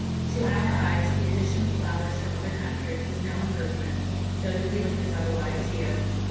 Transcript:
To our eyes the addition of flowers from other countries is no improvement, though the feeling is otherwise here.